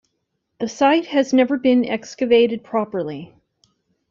The site has never been excavated properly.